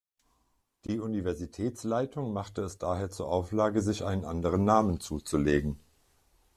Die Universitätsleitung machte es daher zur Auflage, sich einen anderen Namen zuzulegen.